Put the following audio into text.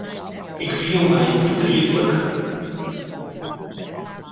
Ik fiel my fertrietlik.